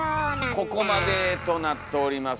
ここまでとなっております